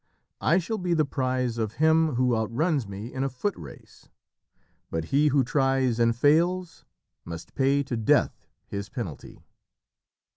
I shall be the prize of him who outruns me in a foot race. But he who tries and fails, must pay to Death his penalty."